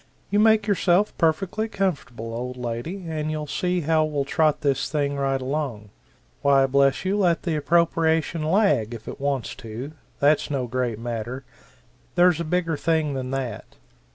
You make yourself perfectly comfortable, old lady, and you'll see how we'll trot this right along. Why bless you, let the appropriation lag, if it wants to that's no great matter there's a bigger thing than that."